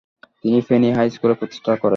তিনি Feni high school প্রতিষ্ঠা করেন।